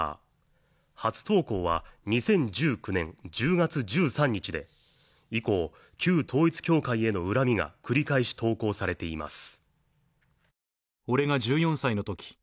初投稿は２０１９年１０月１３日で、以降、旧統一教会への恨みが繰り返し投稿されています。